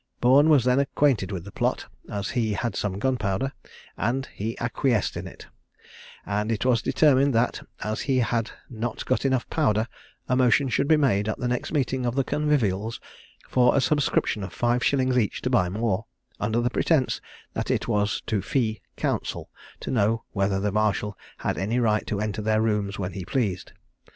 Bourne was then acquainted with the plot, as he had some gunpowder, and he acquiesced in it; and it was determined that, as he had not got enough powder, a motion should be made at the next meeting of the Convivials for a subscription of five shillings each to buy more, under the pretence that it was to fee counsel, to know whether the marshal had any right to enter their rooms when he pleased.